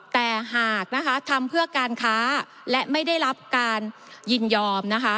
แต่หากนะคะทำเพื่อการค้าและไม่ได้รับการยินยอมนะคะ